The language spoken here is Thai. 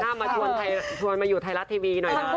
ถ้ามาชวนมาอยู่ไทยรัฐทีวีหน่อยนะ